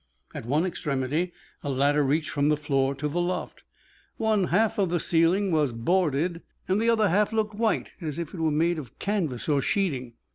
At one extremity a ladder reached from the floor to the loft. One half of the ceiling was boarded, and the other half looked white, as if it were made of canvas or sheeting.